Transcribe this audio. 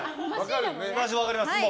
分かります。